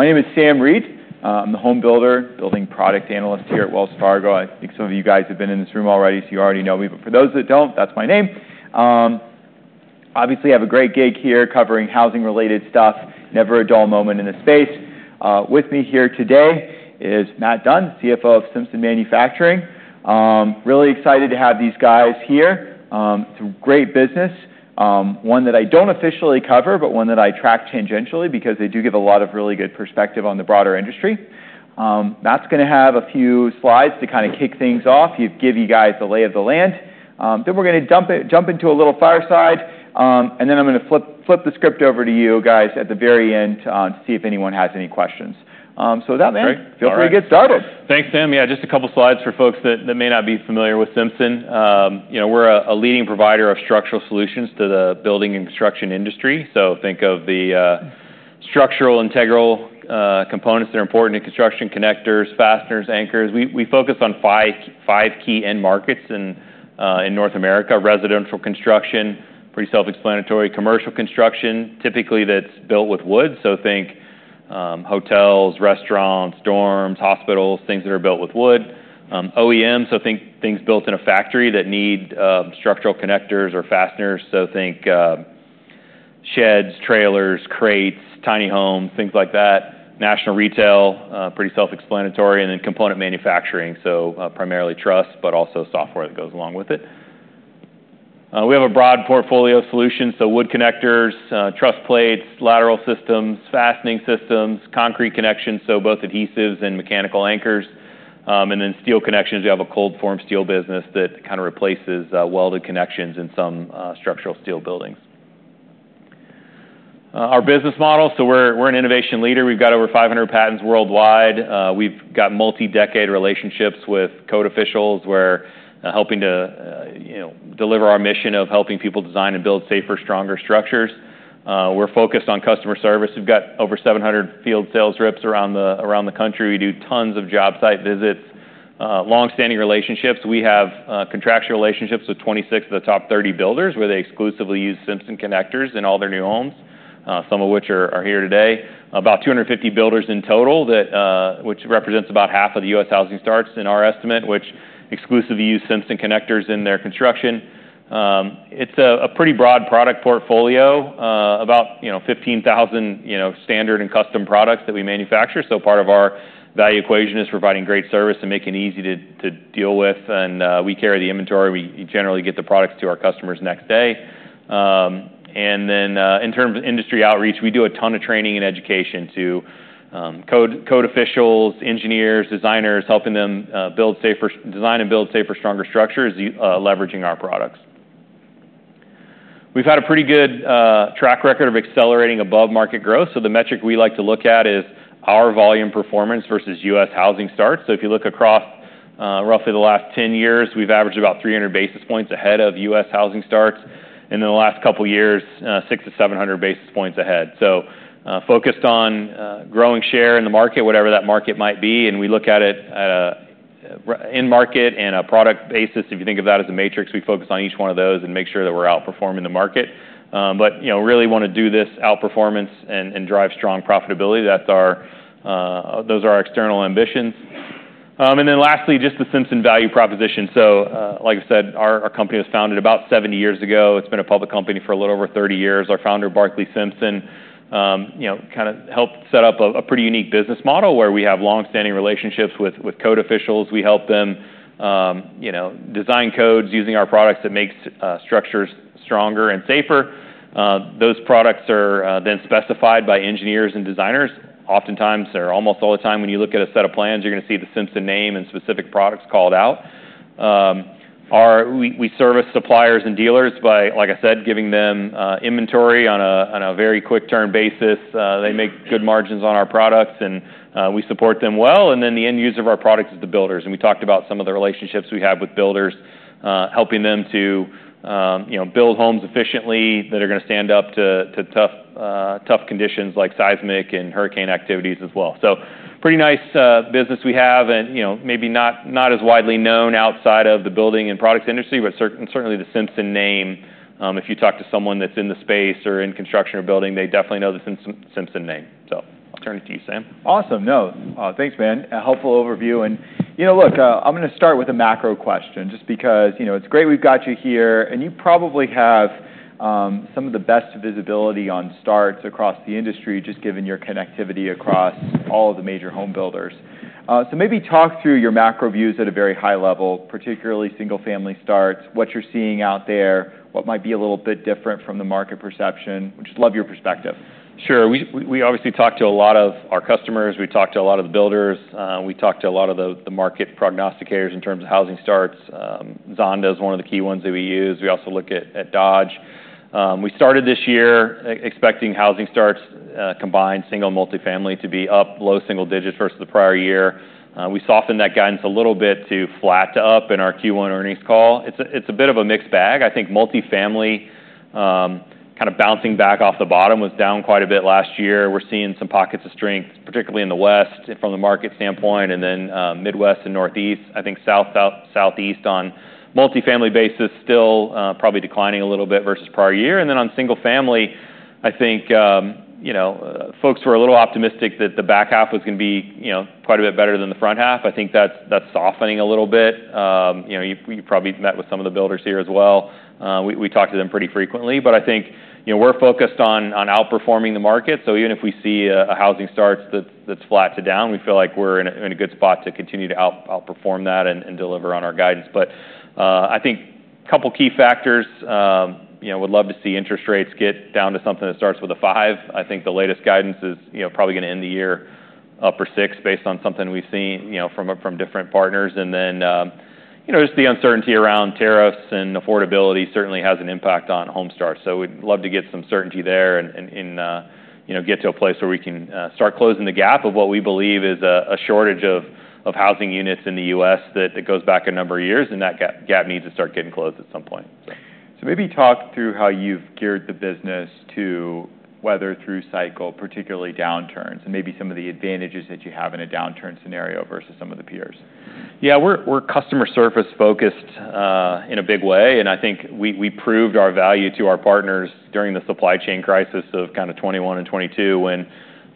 My name is Sam Reed. I'm the Home Builder, Building Product Analyst here at Wells Fargo. I think some of you guys have been in this room already, so you already know me. For those that don't, that's my name. Obviously, I have a great gig here covering housing-related stuff, never a dull moment in the space. With me here today is Matt Dunn, CFO of Simpson Manufacturing. Really excited to have these guys here. It's a great business, one that I don't officially cover but one that I track tangentially because they do give a lot of really good perspective on the broader industry. Matt's going to have a few slides to kind of kick things off, give you guys the lay of the land. We're going to jump into a little fireside, and then I'm going to flip the script over to you guys at the very end to see if anyone has any questions. With that, man, feel free to get started. Thanks, Sam. Yeah, just a couple of slides for folks that may not be familiar with Simpson. We're a leading provider of structural solutions to the building and construction industry. Think of the structural integral components that are important in construction: connectors, fasteners, anchors. We focus on five key end markets in North America: residential construction, pretty self-explanatory, commercial construction, typically that's built with wood, think hotels, restaurants, dorms, hospitals, things that are built with wood. OEM, think things built in a factory that need structural connectors or fasteners, think sheds, trailers, crates, tiny homes, things like that. National retail, pretty self-explanatory, and then component manufacturing, primarily truss, but also software that goes along with it. We have a broad portfolio of solutions, wood connectors, truss plates, lateral systems, fastening systems, concrete connections, both adhesives and mechanical anchors. Then steel connections. We have a cold-form steel business that kind of replaces welded connections in some structural steel buildings. Our business model, so we're an innovation leader. We've got over 500 patents worldwide. We've got multi-decade relationships with code officials where helping to deliver our mission of helping people design and build safer, stronger structures. We're focused on customer service. We've got over 700 field sales reps around the country. We do tons of job site visits. Long-standing relationships. We have contractual relationships with 26 of the top 30 builders where they exclusively use Simpson connectors in all their new homes, some of which are here today. About 250 builders in total, which represents about half of the U.S. housing starts in our estimate, which exclusively use Simpson connectors in their construction. It's a pretty broad product portfolio, about 15,000 standard and custom products that we manufacture. Part of our value equation is providing great service and making it easy to deal with. We carry the inventory. We generally get the products to our customers the next day. In terms of industry outreach, we do a ton of training and education to code officials, engineers, designers, helping them design and build safer, stronger structures leveraging our products. We've had a pretty good track record of accelerating above market growth. The metric we like to look at is our volume performance versus U.S. housing starts. If you look across roughly the last 10 years, we've averaged about 300 basis points ahead of U.S. housing starts. In the last couple of years, 600-700 basis points ahead. We are focused on growing share in the market, whatever that market might be. We look at it in market and a product basis. If you think of that as a matrix, we focus on each one of those and make sure that we're outperforming the market. We really want to do this outperformance and drive strong profitability. Those are our external ambitions. Lastly, just the Simpson value proposition. Like I said, our company was founded about 70 years ago. It has been a public company for a little over 30 years. Our founder, Barclay Simpson, kind of helped set up a pretty unique business model where we have long-standing relationships with code officials. We help them design codes using our products that make structures stronger and safer. Those products are then specified by engineers and designers. Oftentimes, or almost all the time when you look at a set of plans, you're going to see the Simpson name and specific products called out. We service suppliers and dealers by, like I said, giving them inventory on a very quick-turn basis. They make good margins on our products, and we support them well. The end user of our product is the builders. We talked about some of the relationships we have with builders, helping them to build homes efficiently that are going to stand up to tough conditions like seismic and hurricane activities as well. Pretty nice business we have. Maybe not as widely known outside of the building and products industry, but certainly the Simpson name. If you talk to someone that's in the space or in construction or building, they definitely know the Simpson name. I'll turn it to you, Sam. Awesome. No, thanks, man. A helpful overview. Look, I'm going to start with a macro question just because it's great we've got you here. You probably have some of the best visibility on starts across the industry, just given your connectivity across all of the major home builders. Maybe talk through your macro views at a very high level, particularly single-family starts, what you're seeing out there, what might be a little bit different from the market perception. We just love your perspective. Sure. We obviously talk to a lot of our customers. We talk to a lot of the builders. We talk to a lot of the market prognosticators in terms of housing starts. Zonda is one of the key ones that we use. We also look at Dodge. We started this year expecting housing starts, combined single and multifamily, to be up, low single digits versus the prior year. We softened that guidance a little bit to flat to up in our Q1 earnings call. It's a bit of a mixed bag. I think multifamily, kind of bouncing back off the bottom, was down quite a bit last year. We're seeing some pockets of strength, particularly in the West from the market standpoint, and then Midwest and Northeast. I think South, Southeast on multifamily basis still probably declining a little bit versus prior year. On single family, I think folks were a little optimistic that the back half was going to be quite a bit better than the front half. I think that is softening a little bit. You probably met with some of the builders here as well. We talk to them pretty frequently. I think we are focused on outperforming the market. Even if we see a housing start that is flat to down, we feel like we are in a good spot to continue to outperform that and deliver on our guidance. I think a couple of key factors, would love to see interest rates get down to something that starts with a five. I think the latest guidance is probably going to end the year up or six based on something we have seen from different partners. The uncertainty around tariffs and affordability certainly has an impact on home starts. We would love to get some certainty there and get to a place where we can start closing the gap of what we believe is a shortage of housing units in the U.S. that goes back a number of years. That gap needs to start getting closed at some point. Maybe talk through how you've geared the business to weather through cycle, particularly downturns, and maybe some of the advantages that you have in a downturn scenario versus some of the peers. Yeah, we're customer service focused in a big way. I think we proved our value to our partners during the supply chain crisis of 2021 and 2022.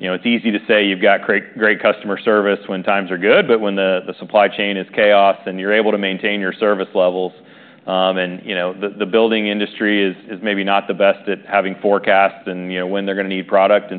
It's easy to say you've got great customer service when times are good, but when the supply chain is chaos and you're able to maintain your service levels. The building industry is maybe not the best at having forecasts and when they're going to need product.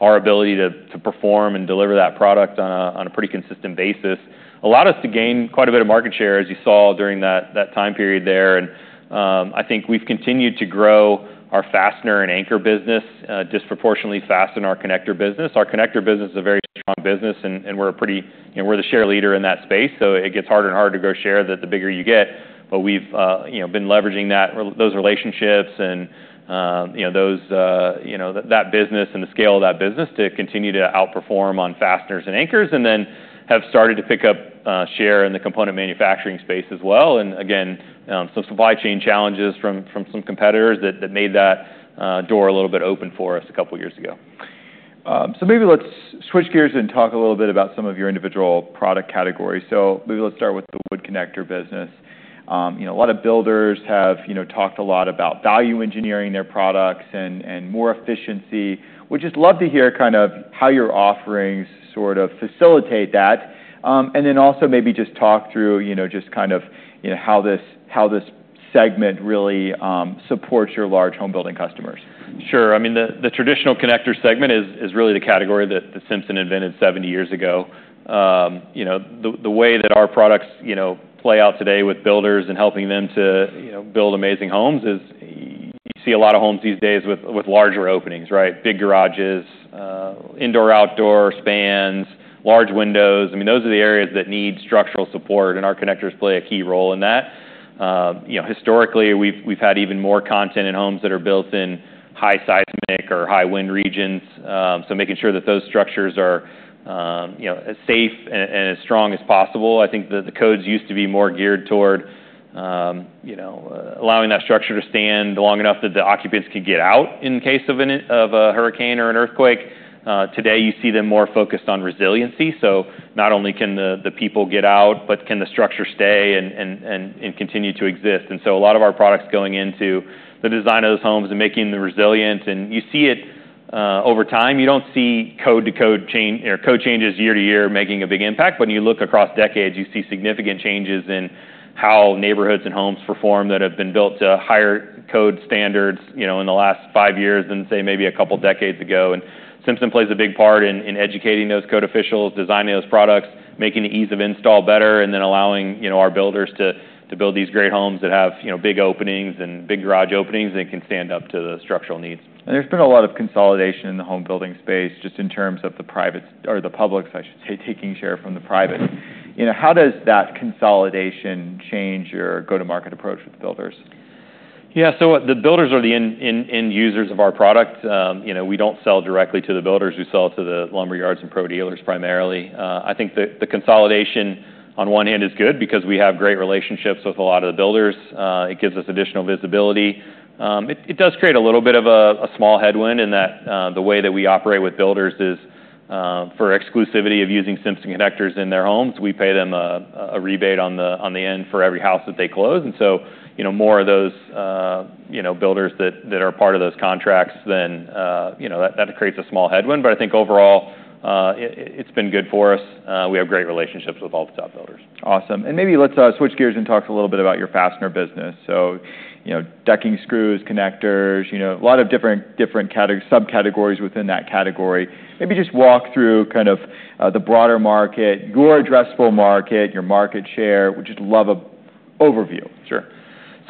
Our ability to perform and deliver that product on a pretty consistent basis allowed us to gain quite a bit of market share, as you saw during that time period there. I think we've continued to grow our fastener and anchor business disproportionately fast in our connector business. Our connector business is a very strong business, and we're the share leader in that space. It gets harder and harder to grow share the bigger you get. We have been leveraging those relationships and that business and the scale of that business to continue to outperform on fasteners and anchors and then have started to pick up share in the component manufacturing space as well. Again, some supply chain challenges from some competitors made that door a little bit open for us a couple of years ago. Maybe let's switch gears and talk a little bit about some of your individual product categories. Maybe let's start with the wood connector business. A lot of builders have talked a lot about value engineering their products and more efficiency. We'd just love to hear kind of how your offerings sort of facilitate that. Also maybe just talk through just kind of how this segment really supports your large home building customers. Sure. I mean, the traditional connector segment is really the category that Simpson invented 70 years ago. The way that our products play out today with builders and helping them to build amazing homes is you see a lot of homes these days with larger openings, right? Big garages, indoor-outdoor spans, large windows. I mean, those are the areas that need structural support, and our connectors play a key role in that. Historically, we've had even more content in homes that are built in high seismic or high wind regions. Making sure that those structures are as safe and as strong as possible. I think that the codes used to be more geared toward allowing that structure to stand long enough that the occupants could get out in case of a hurricane or an earthquake. Today, you see them more focused on resiliency. Not only can the people get out, but can the structure stay and continue to exist. A lot of our products go into the design of those homes and making them resilient. You see it over time. You do not see code to code changes year to year making a big impact. When you look across decades, you see significant changes in how neighborhoods and homes perform that have been built to higher code standards in the last five years than, say, maybe a couple of decades ago. Simpson plays a big part in educating those code officials, designing those products, making the ease of install better, and then allowing our builders to build these great homes that have big openings and big garage openings that can stand up to the structural needs. There's been a lot of consolidation in the home building space just in terms of the publics, I should say, taking share from the private. How does that consolidation change your go-to-market approach with builders? Yeah, so the builders are the end users of our product. We do not sell directly to the builders. We sell to the lumber yards and pro dealers primarily. I think the consolidation on one hand is good because we have great relationships with a lot of the builders. It gives us additional visibility. It does create a little bit of a small headwind in that the way that we operate with builders is for exclusivity of using Simpson connectors in their homes. We pay them a rebate on the end for every house that they close. More of those builders that are part of those contracts, then that creates a small headwind. I think overall, it has been good for us. We have great relationships with all the top builders. Awesome. Maybe let's switch gears and talk a little bit about your fastener business. Decking screws, connectors, a lot of different subcategories within that category. Maybe just walk through kind of the broader market, your addressable market, your market share. We just love an overview. Sure.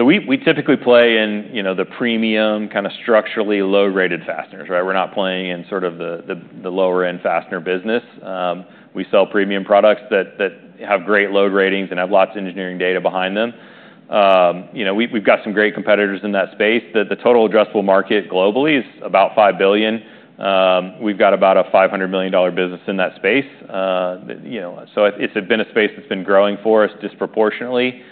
We typically play in the premium, kind of structurally load-rated fasteners, right? We're not playing in sort of the lower-end fastener business. We sell premium products that have great load ratings and have lots of engineering data behind them. We've got some great competitors in that space. The total addressable market globally is about $5 billion. We've got about a $500 million business in that space. It has been a space that's been growing for us disproportionately.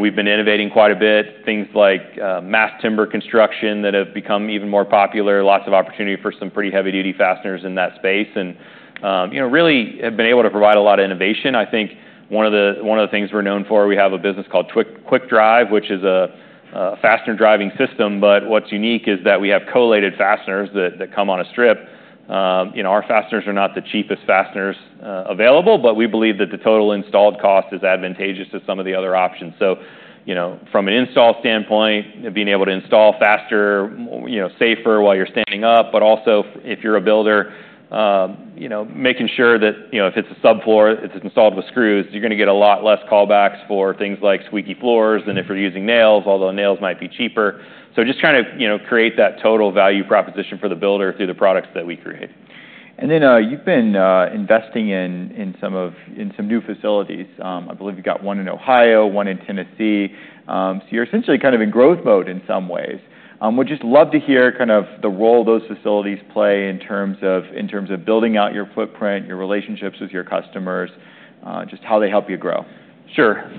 We've been innovating quite a bit, things like mass timber construction that have become even more popular, lots of opportunity for some pretty heavy-duty fasteners in that space, and really have been able to provide a lot of innovation. I think one of the things we're known for, we have a business called Quik Drive, which is a fastener driving system. What is unique is that we have collated fasteners that come on a strip. Our fasteners are not the cheapest fasteners available, but we believe that the total installed cost is advantageous to some of the other options. From an install standpoint, being able to install faster, safer while you are standing up, but also if you are a builder, making sure that if it is a subfloor, it is installed with screws, you are going to get a lot less callbacks for things like squeaky floors than if you are using nails, although nails might be cheaper. Just kind of create that total value proposition for the builder through the products that we create. You have been investing in some new facilities. I believe you have got one in Ohio, one in Tennessee. You are essentially kind of in growth mode in some ways. We would just love to hear kind of the role those facilities play in terms of building out your footprint, your relationships with your customers, just how they help you grow. Sure.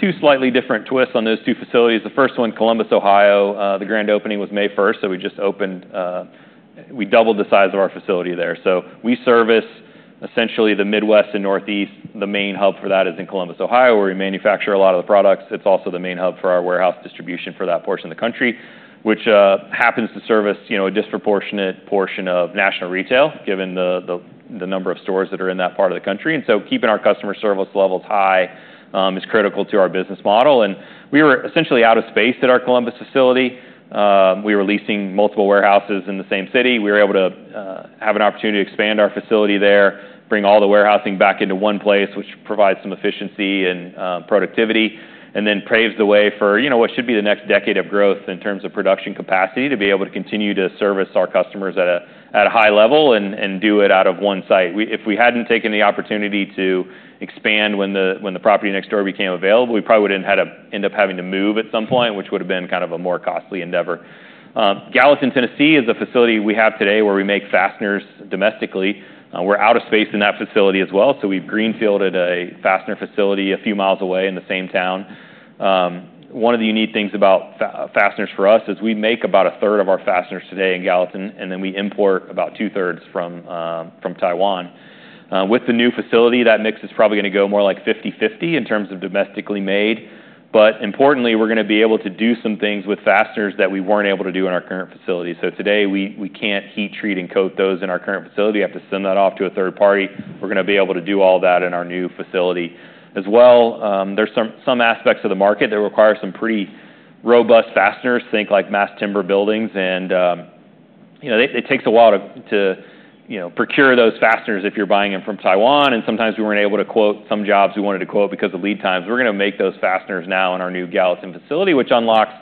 Two slightly different twists on those two facilities. The first one, Columbus, Ohio. The grand opening was May 1st. We just opened, we doubled the size of our facility there. We service essentially the Midwest and Northeast. The main hub for that is in Columbus, Ohio, where we manufacture a lot of the products. It is also the main hub for our warehouse distribution for that portion of the country, which happens to service a disproportionate portion of national retail, given the number of stores that are in that part of the country. Keeping our customer service levels high is critical to our business model. We were essentially out of space at our Columbus facility. We were leasing multiple warehouses in the same city. We were able to have an opportunity to expand our facility there, bring all the warehousing back into one place, which provides some efficiency and productivity, and then paves the way for what should be the next decade of growth in terms of production capacity to be able to continue to service our customers at a high level and do it out of one site. If we hadn't taken the opportunity to expand when the property next door became available, we probably would have ended up having to move at some point, which would have been kind of a more costly endeavor. Gallatin, Tennessee is a facility we have today where we make fasteners domestically. We're out of space in that facility as well. We have greenfielded a fastener facility a few miles away in the same town. One of the unique things about fasteners for us is we make about a third of our fasteners today in Gallatin, and then we import about two-thirds from Taiwan. With the new facility, that mix is probably going to go more like 50/50 in terms of domestically made. Importantly, we're going to be able to do some things with fasteners that we were not able to do in our current facility. Today, we cannot heat, treat, and coat those in our current facility. We have to send that off to a third party. We are going to be able to do all that in our new facility as well. There are some aspects of the market that require some pretty robust fasteners, think like mass timber buildings. It takes a while to procure those fasteners if you are buying them from Taiwan. Sometimes we were not able to quote some jobs we wanted to quote because of lead times. We are going to make those fasteners now in our new Gallatin facility, which unlocks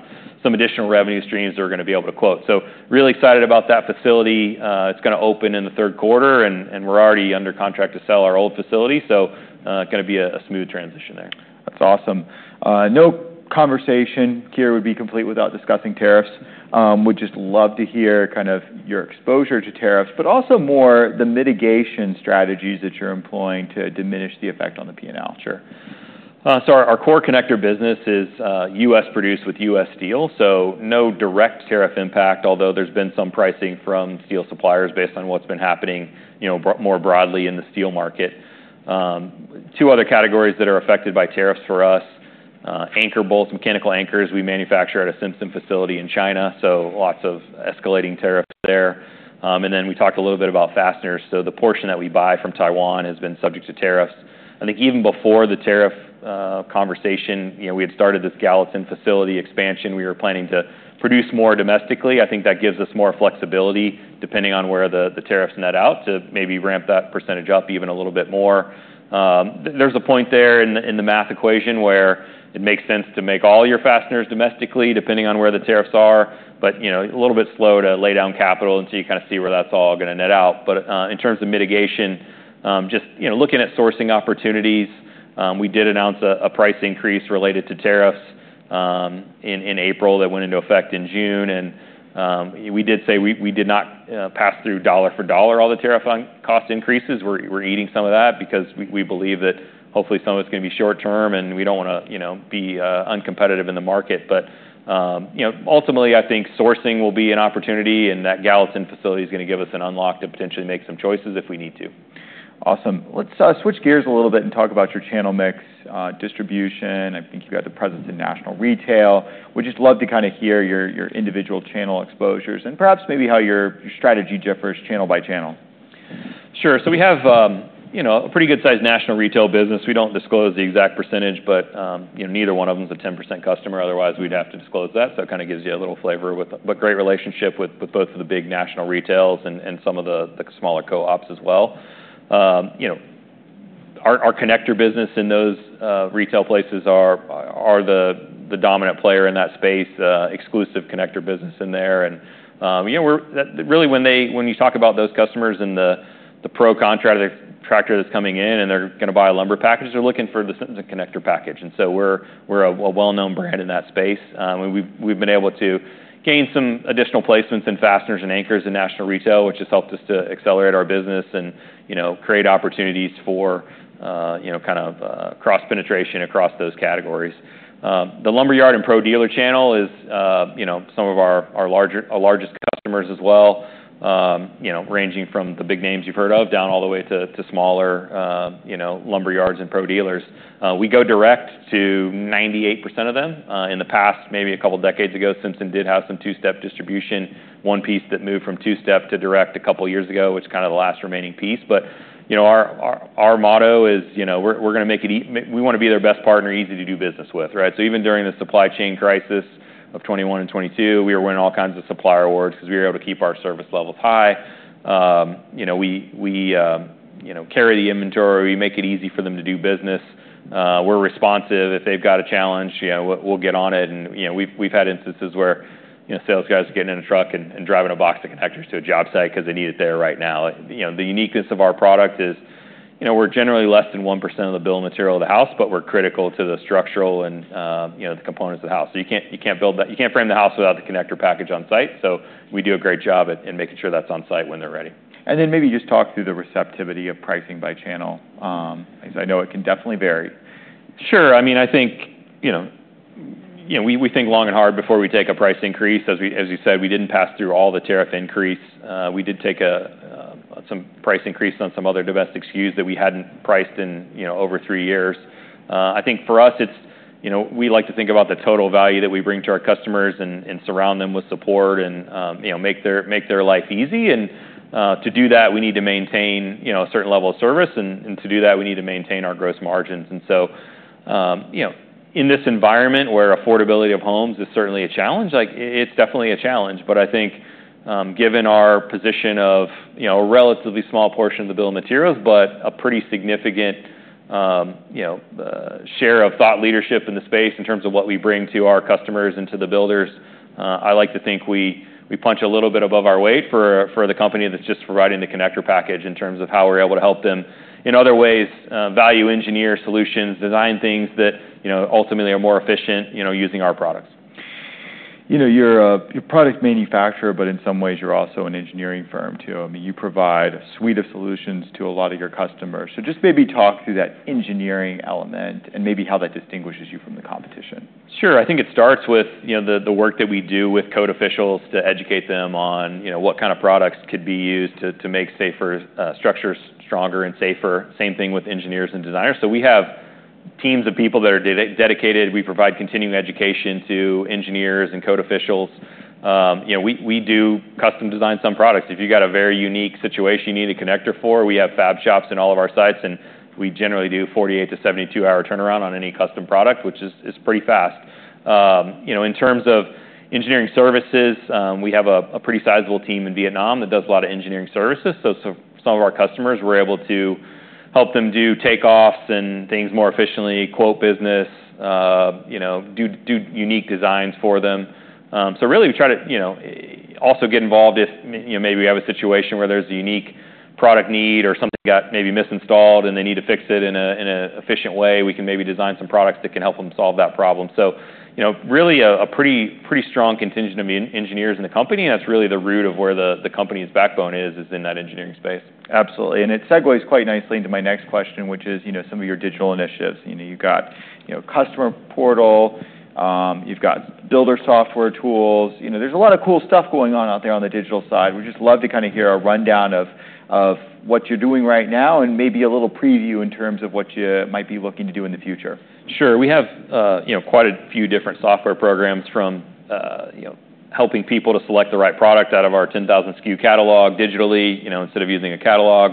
some additional revenue streams that we are going to be able to quote. I am really excited about that facility. It is going to open in the third quarter, and we are already under contract to sell our old facility. It is going to be a smooth transition there. That's awesome. No conversation here would be complete without discussing tariffs. We'd just love to hear kind of your exposure to tariffs, but also more the mitigation strategies that you're employing to diminish the effect on the P&L. Sure. Our core connector business is U.S. produced with U.S. steel. No direct tariff impact, although there has been some pricing from steel suppliers based on what has been happening more broadly in the steel market. Two other categories that are affected by tariffs for us are anchor bolts and mechanical anchors. We manufacture at a Simpson facility in China, so lots of escalating tariffs there. We talked a little bit about fasteners. The portion that we buy from Taiwan has been subject to tariffs. I think even before the tariff conversation, we had started this Gallatin facility expansion. We were planning to produce more domestically. I think that gives us more flexibility depending on where the tariffs net out to maybe ramp that percentage up even a little bit more. There's a point there in the math equation where it makes sense to make all your fasteners domestically depending on where the tariffs are, but a little bit slow to lay down capital until you kind of see where that's all going to net out. In terms of mitigation, just looking at sourcing opportunities, we did announce a price increase related to tariffs in April that went into effect in June. We did say we did not pass through dollar for dollar all the tariff cost increases. We're eating some of that because we believe that hopefully some of it's going to be short-term, and we don't want to be uncompetitive in the market. Ultimately, I think sourcing will be an opportunity, and that Gallatin facility is going to give us an unlock to potentially make some choices if we need to. Awesome. Let's switch gears a little bit and talk about your channel mix distribution. I think you've got the presence in national retail. We'd just love to kind of hear your individual channel exposures and perhaps maybe how your strategy differs channel by channel. Sure. We have a pretty good-sized national retail business. We do not disclose the exact percentage, but neither one of them is a 10% customer. Otherwise, we would have to disclose that. It kind of gives you a little flavor, but great relationship with both of the big national retails and some of the smaller co-ops as well. Our connector business in those retail places is the dominant player in that space, exclusive connector business in there. Really, when you talk about those customers and the pro contractor that is coming in and they are going to buy a lumber package, they are looking for the Simpson connector package. We are a well-known brand in that space. We have been able to gain some additional placements in fasteners and anchors in national retail, which has helped us to accelerate our business and create opportunities for kind of cross-penetration across those categories. The lumber yard and pro dealer channel is some of our largest customers as well, ranging from the big names you've heard of down all the way to smaller lumber yards and pro dealers. We go direct to 98% of them. In the past, maybe a couple of decades ago, Simpson did have some two-step distribution, one piece that moved from two-step to direct a couple of years ago, which is kind of the last remaining piece. Our motto is we're going to make it easy. We want to be their best partner, easy to do business with, right? Even during the supply chain crisis of 2021 and 2022, we were winning all kinds of supplier awards because we were able to keep our service levels high. We carry the inventory. We make it easy for them to do business. We're responsive. If they've got a challenge, we'll get on it. We've had instances where sales guys are getting in a truck and driving a box of connectors to a job site because they need it there right now. The uniqueness of our product is we're generally less than 1% of the bill of material of the house, but we're critical to the structural and the components of the house. You can't frame the house without the connector package on site. We do a great job in making sure that's on site when they're ready. Maybe just talk through the receptivity of pricing by channel. I know it can definitely vary. Sure. I mean, I think we think long and hard before we take a price increase. As you said, we did not pass through all the tariff increase. We did take some price increase on some other domestic SKUs that we had not priced in over three years. I think for us, we like to think about the total value that we bring to our customers and surround them with support and make their life easy. To do that, we need to maintain a certain level of service. To do that, we need to maintain our gross margins. In this environment where affordability of homes is certainly a challenge, it is definitely a challenge. I think given our position of a relatively small portion of the bill of materials, but a pretty significant share of thought leadership in the space in terms of what we bring to our customers and to the builders, I like to think we punch a little bit above our weight for the company that's just providing the connector package in terms of how we're able to help them in other ways, value engineer solutions, design things that ultimately are more efficient using our products. You're a product manufacturer, but in some ways, you're also an engineering firm too. I mean, you provide a suite of solutions to a lot of your customers. Just maybe talk through that engineering element and maybe how that distinguishes you from the competition. Sure. I think it starts with the work that we do with code officials to educate them on what kind of products could be used to make structures stronger and safer. Same thing with engineers and designers. We have teams of people that are dedicated. We provide continuing education to engineers and code officials. We do custom design some products. If you've got a very unique situation you need a connector for, we have fab shops in all of our sites. We generally do 48-72 hour turnaround on any custom product, which is pretty fast. In terms of engineering services, we have a pretty sizable team in Vietnam that does a lot of engineering services. Some of our customers, we're able to help them do takeoffs and things more efficiently, quote business, do unique designs for them. Really, we try to also get involved if maybe we have a situation where there's a unique product need or something got maybe misinstalled and they need to fix it in an efficient way, we can maybe design some products that can help them solve that problem. Really a pretty strong contingent of engineers in the company. That's really the root of where the company's backbone is, is in that engineering space. Absolutely. It segues quite nicely into my next question, which is some of your digital initiatives. You've got customer portal, you've got builder software tools. There's a lot of cool stuff going on out there on the digital side. We'd just love to kind of hear a rundown of what you're doing right now and maybe a little preview in terms of what you might be looking to do in the future. Sure. We have quite a few different software programs from helping people to select the right product out of our 10,000 SKU catalog digitally instead of using a catalog.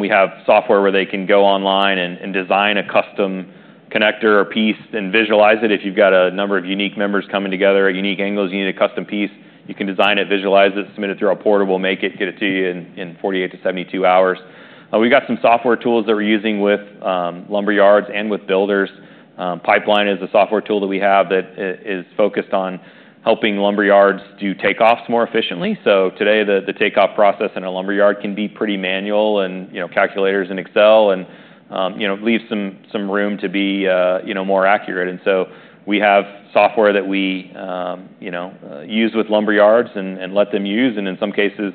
We have software where they can go online and design a custom connector or piece and visualize it. If you've got a number of unique members coming together, unique angles, you need a custom piece, you can design it, visualize it, submit it through our portal, we'll make it, get it to you in 48-72 hours. We've got some software tools that we're using with lumber yards and with builders. Pipeline is a software tool that we have that is focused on helping lumber yards do takeoffs more efficiently. Today, the takeoff process in a lumber yard can be pretty manual and calculators in Excel and leave some room to be more accurate. We have software that we use with lumber yards and let them use. In some cases,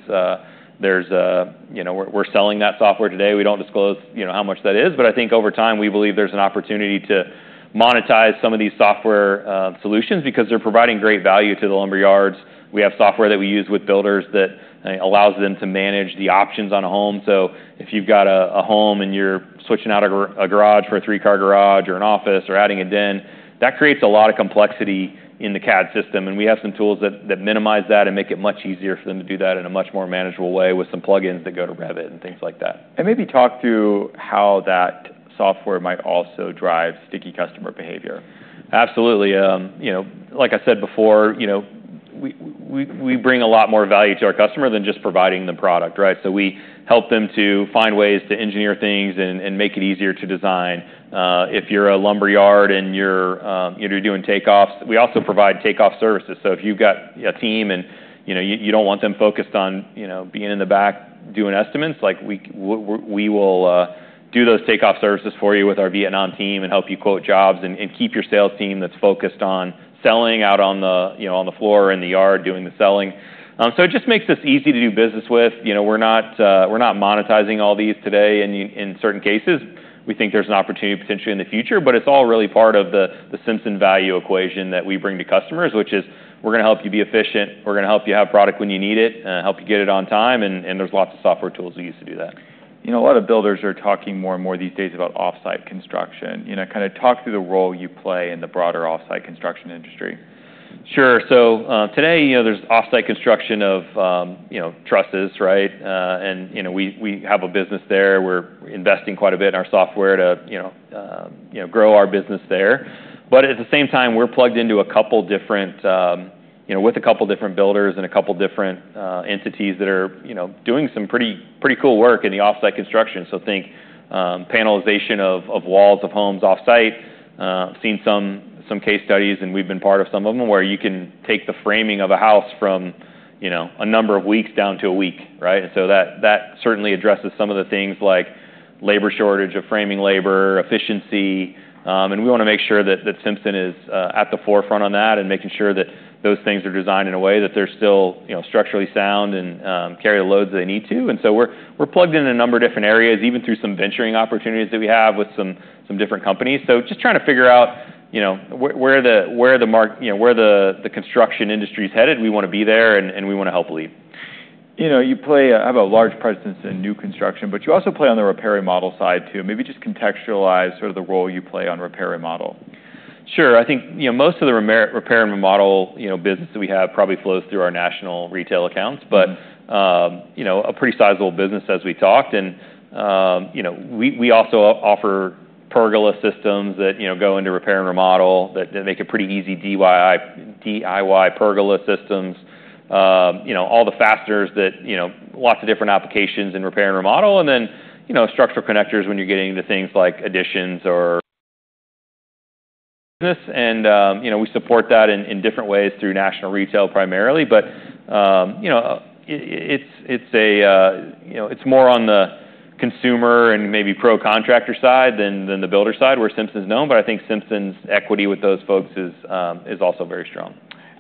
we're selling that software today. We do not disclose how much that is. I think over time, we believe there is an opportunity to monetize some of these software solutions because they are providing great value to the lumber yards. We have software that we use with builders that allows them to manage the options on a home. If you have a home and you are switching out a garage for a three-car garage or an office or adding a den, that creates a lot of complexity in the CAD system. We have some tools that minimize that and make it much easier for them to do that in a much more manageable way with some plugins that go to Revit and things like that. Maybe talk through how that software might also drive sticky customer behavior. Absolutely. Like I said before, we bring a lot more value to our customer than just providing the product, right? We help them to find ways to engineer things and make it easier to design. If you're a lumber yard and you're doing takeoffs, we also provide takeoff services. If you've got a team and you don't want them focused on being in the back doing estimates, we will do those takeoff services for you with our Vietnam team and help you quote jobs and keep your sales team that's focused on selling out on the floor or in the yard doing the selling. It just makes us easy to do business with. We're not monetizing all these today in certain cases. We think there's an opportunity potentially in the future, but it's all really part of the Simpson Value equation that we bring to customers, which is we're going to help you be efficient. We're going to help you have product when you need it and help you get it on time. There are lots of software tools we use to do that. A lot of builders are talking more and more these days about offsite construction. Kind of talk through the role you play in the broader offsite construction industry. Sure. Today, there's offsite construction of trusses, right? We have a business there. We're investing quite a bit in our software to grow our business there. At the same time, we're plugged into a couple of different builders and a couple of different entities that are doing some pretty cool work in the offsite construction. Think panelization of walls of homes offsite. I've seen some case studies, and we've been part of some of them where you can take the framing of a house from a number of weeks down to a week, right? That certainly addresses some of the things like labor shortage of framing labor, efficiency. We want to make sure that Simpson is at the forefront on that and making sure that those things are designed in a way that they're still structurally sound and carry the loads they need to. We are plugged in a number of different areas, even through some venturing opportunities that we have with some different companies. We are just trying to figure out where the construction industry is headed. We want to be there, and we want to help lead. You have a large presence in new construction, but you also play on the repair and remodel side too. Maybe just contextualize sort of the role you play on repair and remodel. Sure. I think most of the repair and remodel business that we have probably flows through our national retail accounts, but a pretty sizable business as we talked. We also offer pergola systems that go into repair and remodel that make a pretty easy DIY pergola systems, all the fasteners that lots of different applications in repair and remodel, and then structural connectors when you're getting into things like additions or business. We support that in different ways through national retail primarily. It's more on the consumer and maybe pro contractor side than the builder side where Simpson's known. I think Simpson's equity with those folks is also very strong.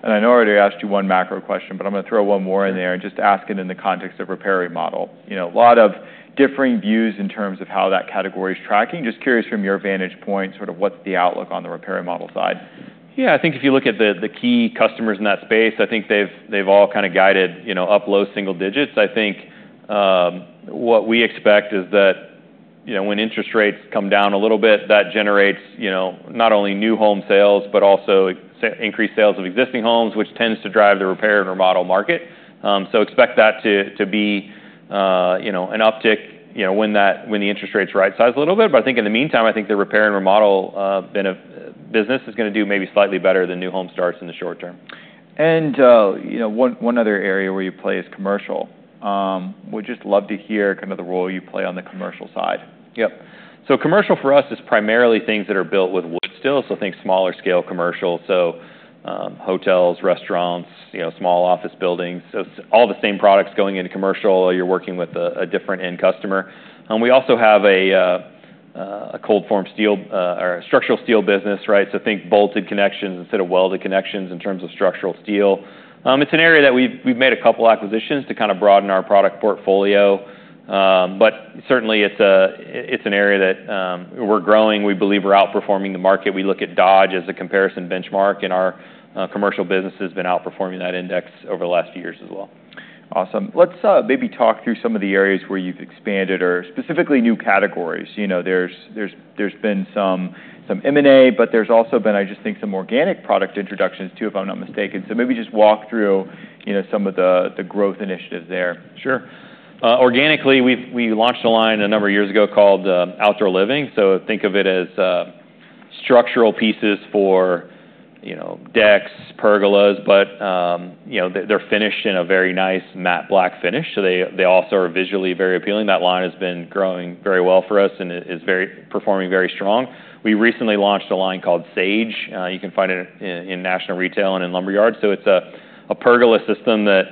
I know I already asked you one macro question, but I'm going to throw one more in there and just ask it in the context of repair and model. A lot of differing views in terms of how that category is tracking. Just curious from your vantage point, sort of what's the outlook on the repair and model side? Yeah. I think if you look at the key customers in that space, I think they've all kind of guided up low single digits. I think what we expect is that when interest rates come down a little bit, that generates not only new home sales, but also increased sales of existing homes, which tends to drive the repair and remodel market. Expect that to be an uptick when the interest rates right-size a little bit. I think in the meantime, I think the repair and remodel business is going to do maybe slightly better than new home starts in the short term. One other area where you play is commercial. We'd just love to hear kind of the role you play on the commercial side. Yep. Commercial for us is primarily things that are built with wood stills. Think smaller scale commercial. Hotels, restaurants, small office buildings. All the same products going into commercial, or you're working with a different end customer. We also have a cold-form steel or structural steel business, right? Think bolted connections instead of welded connections in terms of structural steel. It's an area that we've made a couple of acquisitions to kind of broaden our product portfolio. Certainly, it's an area that we're growing. We believe we're outperforming the market. We look at Dodge as a comparison benchmark, and our commercial business has been outperforming that index over the last few years as well. Awesome. Let's maybe talk through some of the areas where you've expanded or specifically new categories. There's been some M&A, but there's also been, I just think, some organic product introductions too, if I'm not mistaken. Maybe just walk through some of the growth initiatives there. Sure. Organically, we launched a line a number of years ago called Outdoor Living. Think of it as structural pieces for decks, pergolas, but they're finished in a very nice matte black finish. They also are visually very appealing. That line has been growing very well for us and is performing very strong. We recently launched a line called Sage. You can find it in national retail and in lumber yards. It is a pergola system that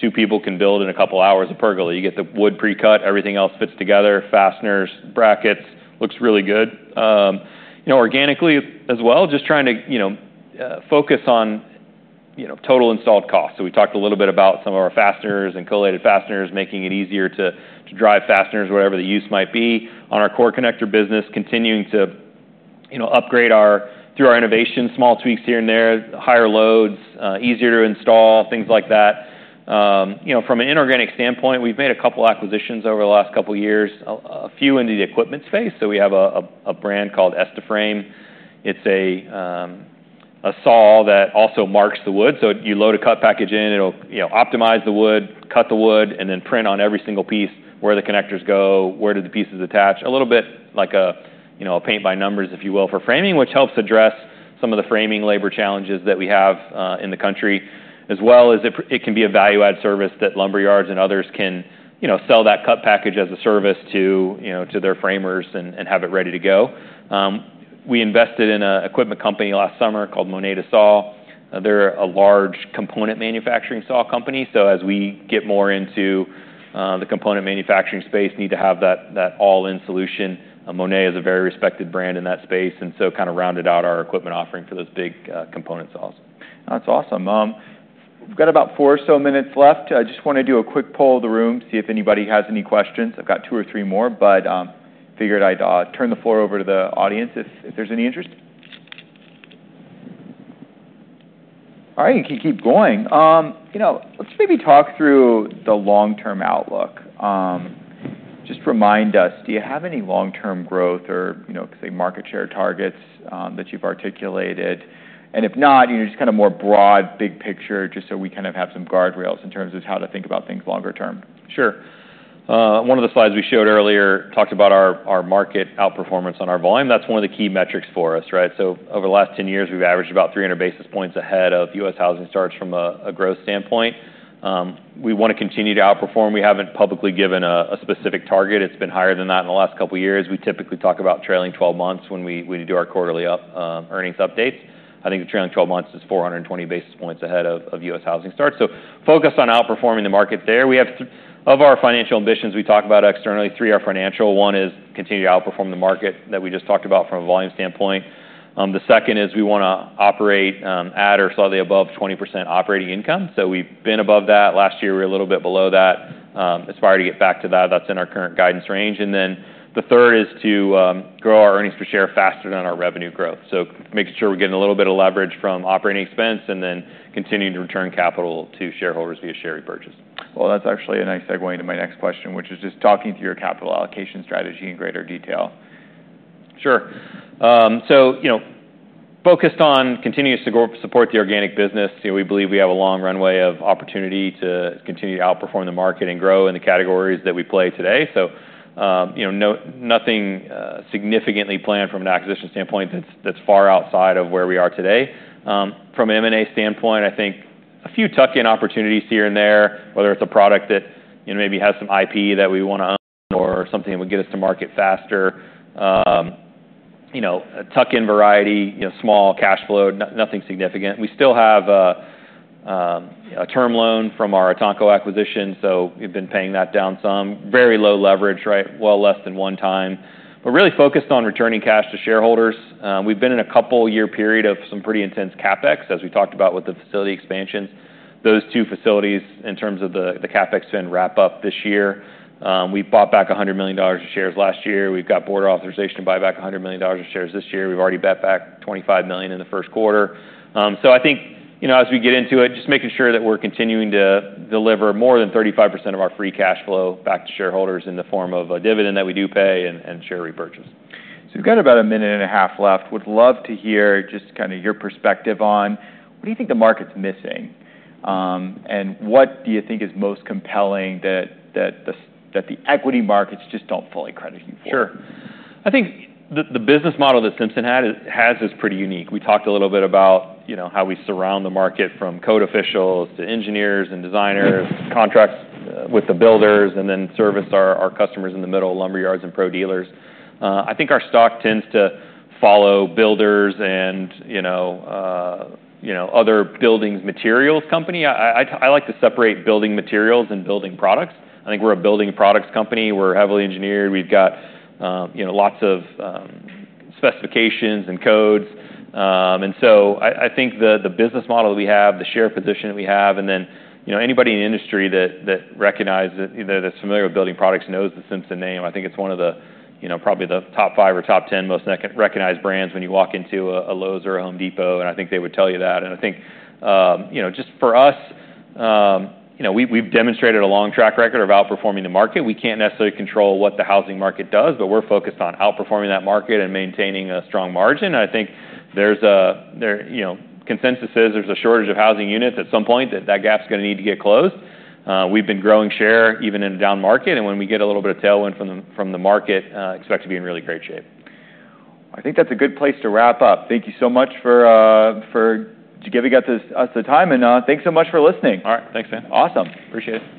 two people can build in a couple of hours, a pergola. You get the wood pre-cut, everything else fits together, fasteners, brackets. Looks really good. Organically as well, just trying to focus on total installed costs. We talked a little bit about some of our fasteners and collated fasteners, making it easier to drive fasteners, whatever the use might be. On our core connector business, continuing to upgrade through our innovation, small tweaks here and there, higher loads, easier to install, things like that. From an inorganic standpoint, we've made a couple of acquisitions over the last couple of years, a few into the equipment space. We have a brand called EstiFrame. It's a saw that also marks the wood. You load a cut package in, it'll optimize the wood, cut the wood, and then print on every single piece where the connectors go, where the pieces attach. A little bit like a paint by numbers, if you will, for framing, which helps address some of the framing labor challenges that we have in the country. It can be a value-add service that lumber yards and others can sell, that cut package as a service to their framers and have it ready to go. We invested in an equipment company last summer called Monet DeSauw. They're a large component manufacturing saw company. As we get more into the component manufacturing space, need to have that all-in solution. Monet is a very respected brand in that space. It kind of rounded out our equipment offering for those big component saws. That's awesome. We've got about four or so minutes left. I just want to do a quick poll of the room, see if anybody has any questions. I've got two or three more, but figured I'd turn the floor over to the audience if there's any interest. All right. You can keep going. Let's maybe talk through the long-term outlook. Just remind us, do you have any long-term growth or, say, market share targets that you've articulated? If not, just kind of more broad, big picture, just so we kind of have some guardrails in terms of how to think about things longer term. Sure. One of the slides we showed earlier talked about our market outperformance on our volume. That's one of the key metrics for us, right? Over the last 10 years, we've averaged about 300 basis points ahead of U.S. housing starts from a growth standpoint. We want to continue to outperform. We haven't publicly given a specific target. It's been higher than that in the last couple of years. We typically talk about trailing 12 months when we do our quarterly earnings updates. I think the trailing 12 months is 420 basis points ahead of U.S. housing starts. Focus on outperforming the markets there. Of our financial ambitions, we talk about externally three are financial. One is continue to outperform the market that we just talked about from a volume standpoint. The second is we want to operate at or slightly above 20% operating income. We have been above that. Last year, we were a little bit below that. Aspire to get back to that. That is in our current guidance range. The third is to grow our earnings per share faster than our revenue growth. Making sure we are getting a little bit of leverage from operating expense and then continuing to return capital to shareholders via share repurchase. That's actually a nice segue into my next question, which is just talking through your capital allocation strategy in greater detail. Sure. Focused on continuing to support the organic business. We believe we have a long runway of opportunity to continue to outperform the market and grow in the categories that we play today. Nothing significantly planned from an acquisition standpoint that is far outside of where we are today. From an M&A standpoint, I think a few tuck-in opportunities here and there, whether it is a product that maybe has some IP that we want to own or something that would get us to market faster. Tuck-in variety, small cash flow, nothing significant. We still have a term loan from our Etanco acquisition, so we have been paying that down some. Very low leverage, right? Less than one time. We are really focused on returning cash to shareholders. We have been in a couple-year period of some pretty intense CapEx, as we talked about with the facility expansions. Those two facilities in terms of the CapEx spend wrap up this year. We bought back $100 million in shares last year. We've got board authorization to buy back $100 million in shares this year. We've already bought back $25 million in the first quarter. I think as we get into it, just making sure that we're continuing to deliver more than 35% of our free cash flow back to shareholders in the form of a dividend that we do pay and share repurchase. We've got about a minute and a half left. Would love to hear just kind of your perspective on what do you think the market's missing and what do you think is most compelling that the equity markets just don't fully credit you for? Sure. I think the business model that Simpson has is pretty unique. We talked a little bit about how we surround the market from code officials to engineers and designers, contracts with the builders, and then service our customers in the middle, lumber yards and pro dealers. I think our stock tends to follow builders and other building materials company. I like to separate building materials and building products. I think we're a building products company. We're heavily engineered. We've got lots of specifications and codes. I think the business model that we have, the share position that we have, and then anybody in the industry that recognizes it, that's familiar with building products knows the Simpson name. I think it's one of probably the top five or top ten most recognized brands when you walk into a Lowe's or a Home Depot. I think they would tell you that. I think just for us, we've demonstrated a long track record of outperforming the market. We can't necessarily control what the housing market does, but we're focused on outperforming that market and maintaining a strong margin. I think there's a consensus there is a shortage of housing units. At some point that gap is going to need to get closed. We've been growing share even in a down market. When we get a little bit of tailwind from the market, expect to be in really great shape. I think that's a good place luto wrap up. Thank you so much for giving us the time. Thank you so much for listening. All right. Thanks, man. Awesome. Appreciate it.